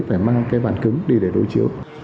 để mang cái bàn cứng đi để đối chiếu